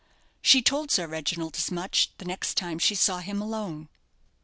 She told Sir Reginald as much the next time she saw him alone.